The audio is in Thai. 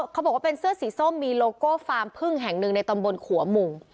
เขาบอกว่าเป็นเสื้อสีส้มมีโลโก้ฟาร์มพึ่งแห่งหนึ่งในตำบลขัวหมู่